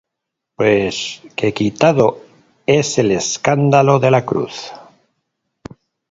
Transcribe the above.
pues que quitado es el escándalo de la cruz.